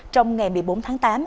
trong ngày một mươi bốn tháng tám